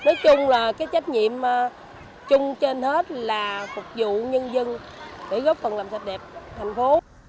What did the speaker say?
nói chung là cái trách nhiệm chung trên hết là phục vụ nhân dân để góp phần làm sạch đẹp thành phố